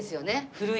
古い。